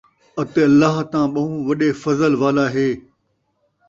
اَتے اللہ تاں ٻَہوں وَݙے فضل والا ہے ۔